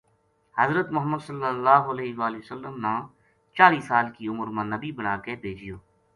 حضرت محمد ﷺ نا چالی سال کی عمر ما نبی بنا کے بھیجیو۔